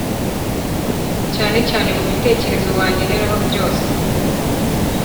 cyane cyane mu bitekerezo wankeneraho byose